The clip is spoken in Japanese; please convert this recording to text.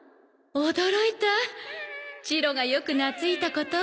驚いたチロがよくなついたこと。